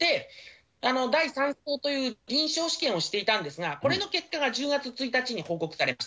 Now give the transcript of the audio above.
第３相という臨床試験をしていたんですが、これの結果が１０月１日に報告されます。